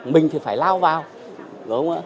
mình thì phải lao vào